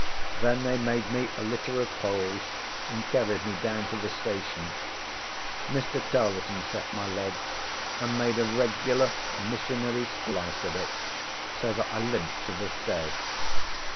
Then they made me a litter of poles and carried me down to the station. Mr. Tarleton set my leg, and made a regular missionary splice of it, so that I limp to this day.